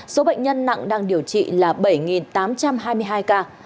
số bệnh nhân nặng đang điều trị là bảy tám trăm hai mươi hai ca